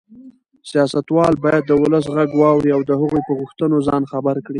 سیاستوال باید د ولس غږ واوري او د هغوی په غوښتنو ځان خبر کړي.